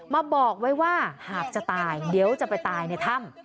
บอกไว้ว่าหากจะตายเดี๋ยวจะไปตายในถ้ำ